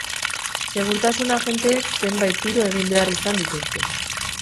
Segurtasun agenteek zenbait tiro egin behar izan dituzte.